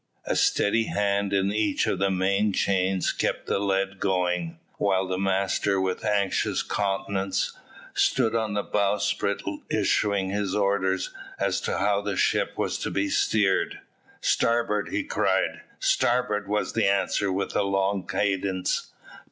A steady hand in each of the main chains kept the lead going, while the master, with anxious countenance, stood on the bowsprit issuing his orders as to how the ship was to be steered. "Starboard!" he cried. "Starboard!" was the answer, with a long cadence.